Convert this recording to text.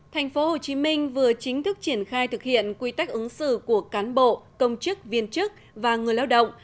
thành phố hồ chí minh vừa chính thức triển khai thực hiện quy tắc ứng xử của cán bộ công chức viên chức và người lao động